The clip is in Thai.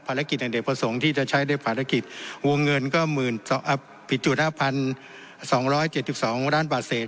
ภารกิจอันเดตประสงค์ที่จะใช้ได้ภารกิจวงเงินก็๑๒๗๒ล้านบาทเสร็จ